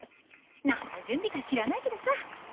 何の準備か知らないけどさ。